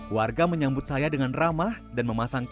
warga menyambut saya dengan ramah dan memasang